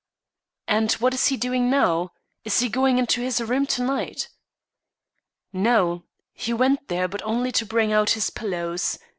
"And what is he doing now? Is he going into his own room to night?" "No. He went there but only to bring out his pillows.